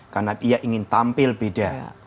karena dia ingin tampil beda